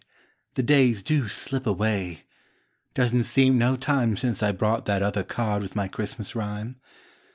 the days do slip away ! Doesn't seem no time Since I brought that other card With my Christmas rhyme.